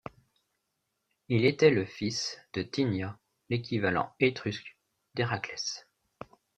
Il était le fils de Tinia, l'équivalent étrusque d'Héraclès.